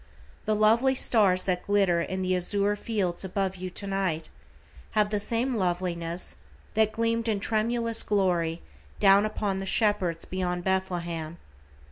The lovely stars that glitter in the azure fields above you tonight, have the same loveliness that gleamed in tremulous glory down upon the shepherds beyond Bethlehem.